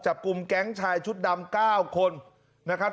จับกลุ่มแก๊งชายชุดดำ๙คนนะครับ